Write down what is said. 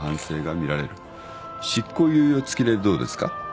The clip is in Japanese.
執行猶予付きでどうですか？